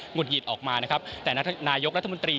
ุดหงิดออกมานะครับแต่นายกรัฐมนตรี